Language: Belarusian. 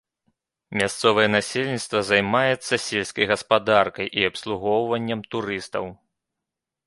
Мясцовае насельніцтва займаецца сельскай гаспадаркай і абслугоўваннем турыстаў.